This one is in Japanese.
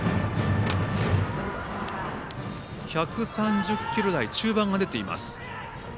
１３０キロ台中盤が出ています。